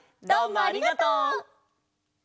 どうもありがとう！